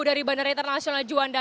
dari bandara internasional juanda